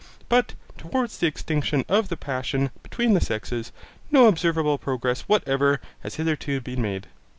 But towards the extinction of the passion between the sexes, no observable progress whatever has hitherto been made.